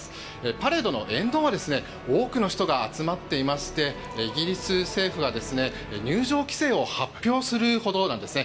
パレードの沿道は多くの人が集まっていましてイギリス政府は、入場規制を発表するほどなんですね。